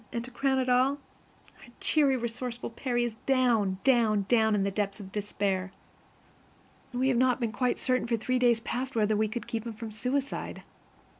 And, to crown all, our cheery, resourceful Percy is down, down, down in the depths of despair. We have not been quite certain for three days past whether we could keep him from suicide.